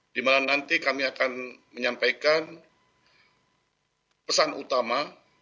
di mana nanti kami akan menyampaikan pesan utama